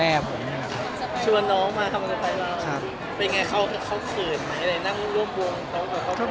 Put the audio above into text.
นั่งร่วมวงเขากับเขา